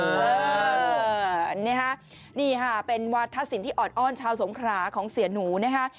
โอ้โหนี่ค่ะนี่ค่ะเป็นวาดทัศนที่ออดอ้อนชาวสงคราของเสียหนูนะฮะ